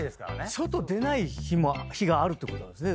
外出ない日があるってことなんですね。